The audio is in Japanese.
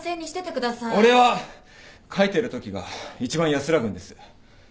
俺は書いてるときが一番安らぐんです。